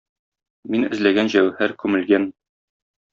Мин эзләгән җәүһәр күмелгән.